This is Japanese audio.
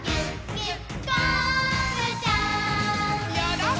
ぎゅっ！